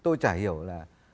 tôi chả hiểu là